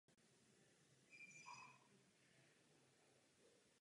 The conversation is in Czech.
Muzeum také provozuje odbornou knihovnu a archiv věnovaný umění.